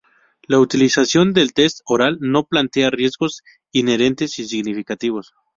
La utilización del test oral no plantea "riesgos inherentes y significativos.